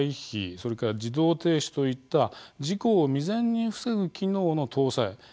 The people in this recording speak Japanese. それから自動停止といった事故を未然に防ぐ機能の搭載